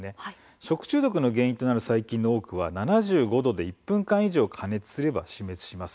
食中毒の原因となる細菌の多くは７５度で１分間以上加熱すれば死滅します。